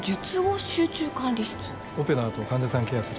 オペのあと患者さんケアする。